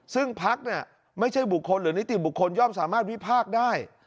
ซึ่งพักเนี่ยไม่ใช่บุคคลหรือนิติบุคคลย่อมสามารถวิพากษ์ได้